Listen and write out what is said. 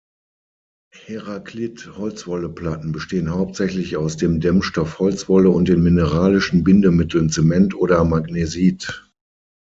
Heraklith-Holzwolleplatten bestehen hauptsächlich aus dem Dämmstoff Holzwolle und den mineralischen Bindemitteln Zement oder Magnesit.